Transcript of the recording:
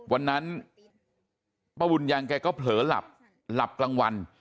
วันนั้นป้าบุญยังแกก็เผลอหลับหลับกลางวัน